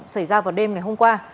xảy ra vào đêm hôm qua